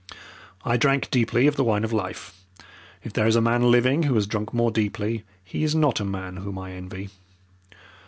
I drank deeply of the wine of life if there is a man living who has drunk more deeply he is not a man whom I envy.